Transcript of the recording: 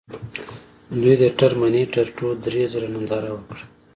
دوی د ټرمینیټر ټو درې ځله ننداره وکړه